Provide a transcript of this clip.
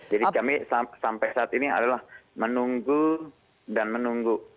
jadi kami sampai saat ini adalah menunggu dan menunggu